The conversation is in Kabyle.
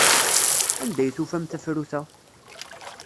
Anda ay tufam tafrut-a?